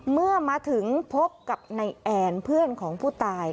เมื่อมาถึงพบกับนายแอนเพื่อนของผู้ตาย